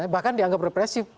bahkan dianggap represif